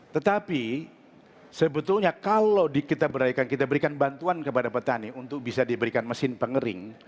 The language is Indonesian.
tetapi sebetulnya kalau kita berikan bantuan kepada petani untuk bisa diberikan mesin pengering